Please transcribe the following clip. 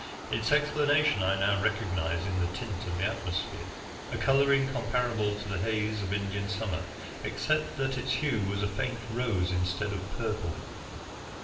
Its explanation I now recognized in the tint of the atmosphere, a coloring comparable to the haze of Indian summer, except that its hue was a faint rose instead of purple.